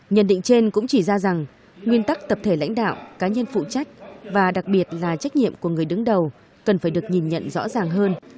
nhận định trên cũng chỉ ra rằng nguyên tắc tập thể lãnh đạo cá nhân phụ trách và đặc biệt là trách nhiệm của người đứng đầu cần phải được nhìn nhận rõ ràng hơn